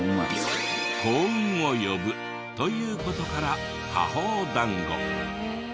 「幸運を呼ぶ」という事から果報だんご。